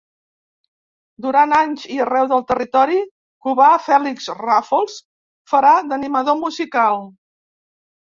Durant anys i arreu de territori cubà, Fèlix Ràfols farà d'animador musical.